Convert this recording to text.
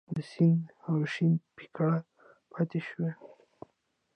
د سین او شین پیکړه پاتې شوه.